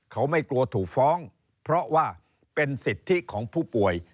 เขาไม่กลัวถูกฟ้องเพราะว่าเป็นสิทธิของผู้ป่วย